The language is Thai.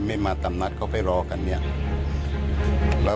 มีความรู้สึกว่าเมืองก็ว่าเสียใจ